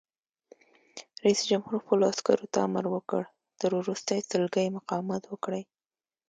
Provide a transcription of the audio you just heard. رئیس جمهور خپلو عسکرو ته امر وکړ؛ تر وروستۍ سلګۍ مقاومت وکړئ!